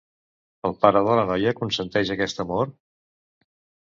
El pare de la noia consenteix aquest amor?